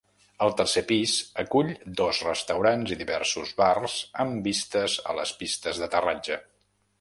El tercer pis acull dos restaurants i diversos bars amb vistes a les pistes d'aterratge.